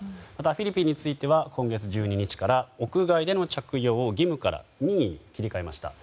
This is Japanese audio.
フィリピンは今月１２日から屋外での着用を、義務から任意に切り替えました。